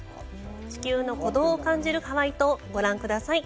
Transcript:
地球の鼓動を感じるハワイ島、ご覧ください。